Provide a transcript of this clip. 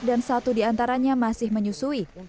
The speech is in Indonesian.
dan satu di antaranya masih menyusui